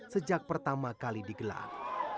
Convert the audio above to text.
sejak pertama kali digelar